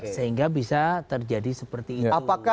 sehingga bisa terjadi seperti itu